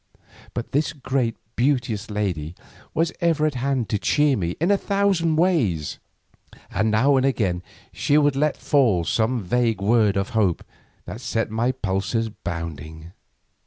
But this great and beauteous lady was ever at hand to cheer me in a thousand ways, and now and again she would let fall some vague words of hope that set my pulses bounding.